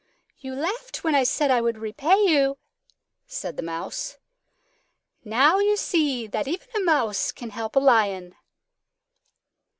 "You laughed when I said I would repay you," said the Mouse. "Now you see that even a Mouse can help a Lion."